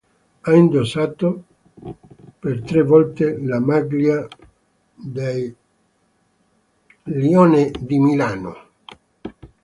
Ha indossato per tre volte la maglia dei British Lions.